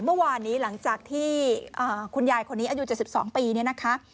เมื่อวานนี้หลังจากที่คุณยายคนนี้อายุ๗๒ปีเนี่ยนะคะ